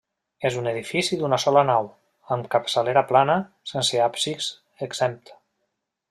És un edifici d'una sola nau, amb capçalera plana, sense absis exempt.